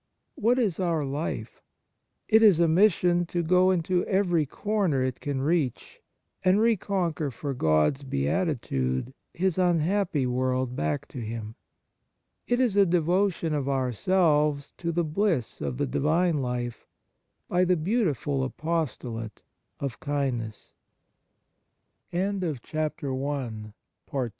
What is our life ? It is a mission to go into every corner it can reach, and reconquer for God's beati tude His unhappy world back to Him. It is a devotion of ourselves to the bliss of the Divine Life by the beautiful apostolate of kindness. II KIND THOUGHTS Everywhere